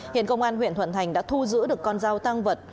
hiện công an huyện thuận thành đã thu giữ được con dao tăng vật